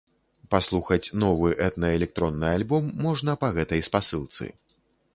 Паслухаць новы этна-электронны альбом можна па гэтай спасылцы.